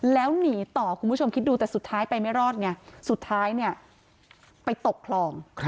แล้วหนีต่อคุณผู้ชมคิดดูแต่สุดท้ายไปไม่รอดไงสุดท้ายเนี่ยไปตกคลอง